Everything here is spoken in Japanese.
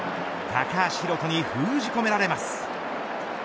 高橋宏斗に封じ込められます。